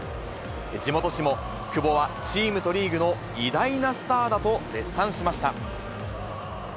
地元紙も、久保はチームとリーグの偉大なスターだと絶賛しました。